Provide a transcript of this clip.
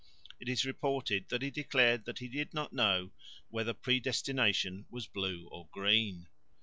It is reported that he declared that he did not know whether predestination was blue or green.